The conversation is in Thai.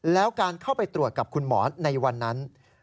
แล้วการเข้าไปตรวจกับคุณหมอในวันนั้น